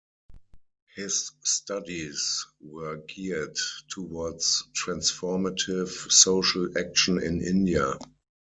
His studies were geared towards transformative social action in India.